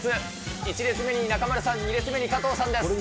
１列目に中丸さん、２列目に加藤さんです。